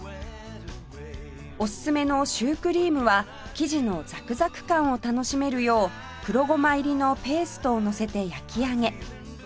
おすすめのシュークリームは生地のザクザク感を楽しめるよう黒ごま入りのペーストをのせて焼き上げ